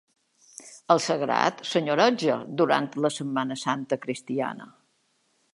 El sagrat senyoreja durant la Setmana Santa cristiana.